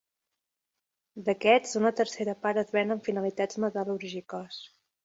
D’aquests una tercera part es ven amb finalitats metal·lúrgiques.